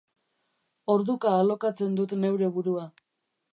Orduka alokatzen dut neure burua.